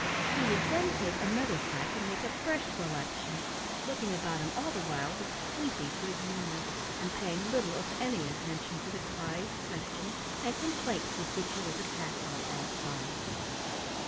He would then taken another sack and make a fresh selection, looking about him all the while with sleepy good humor, and paying little if any attention to the cries, questions, and complaints with which he was attacked on all sides.